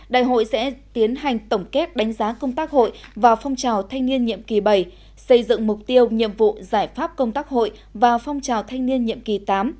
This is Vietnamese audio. đại hội sẽ tiến hành tổng kết đánh giá công tác hội vào phong trào thanh niên nhiệm kỳ bảy xây dựng mục tiêu nhiệm vụ giải pháp công tác hội vào phong trào thanh niên nhiệm kỳ tám